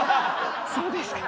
そうですか。